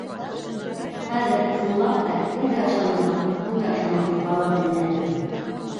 Хәҙер, ысынлап та, кемгә ышанырға, кемгә ышанмаҫҡа ла белмәҫһең.